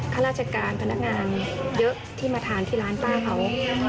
ข้าราชการพนักงานเยอะที่มาทานที่ร้านป้าเขา